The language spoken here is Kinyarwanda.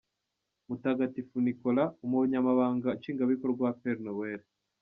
Mutagatifu Nikola, umunyamabanga Nshingwabikorwa wa Père Noël.